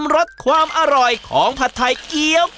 พริกแค่นี้ค่ะพริกแค่นี้ค่ะพริกแค่นี้ค่ะ